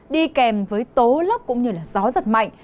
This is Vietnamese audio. đi kèm với tố lốc cũng như gió giật mạnh